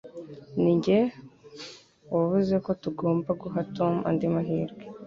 Ninjye wavuze ko tugomba guha Tom andi mahirwe